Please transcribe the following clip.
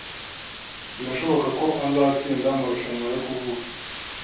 Birashoboka ko azatsinda amarushanwa yo kuvuga.